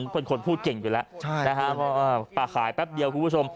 เป็นคนพูดเก่งอยู่แล้วนะฮะป่าขายแป๊บเดียวคุณผู้ชม